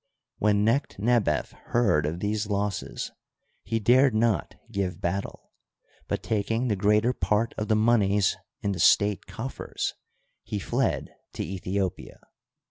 When Necht nebef heard of these losses, he dared not give battle, but, taking the greater part of the moneys in he state coffers, he fled to Aethiopia.